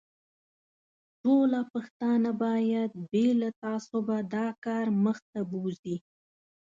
ټوله پښتانه باید بې له تعصبه دا کار مخ ته بوزي.